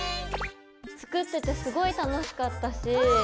作っててすごい楽しかったし